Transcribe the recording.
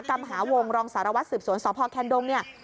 กำหาวงรองสารวัสสืบสวนสคันดงเนี่ย